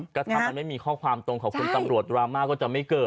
ก็ถ้ามันไม่มีข้อความตรงขอบคุณตำรวจดราม่าก็จะไม่เกิด